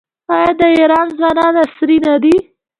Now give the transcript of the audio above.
آیا د ایران ځوانان عصري نه دي؟